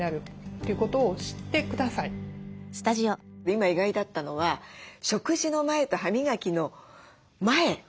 今意外だったのは食事の前と歯磨きの前。